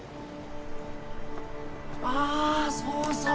あそうそう！